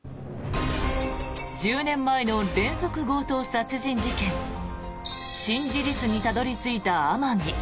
１０年前の連続強盗殺人事件新事実にたどり着いた天樹。